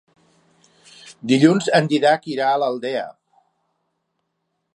Dilluns en Dídac irà a l'Aldea.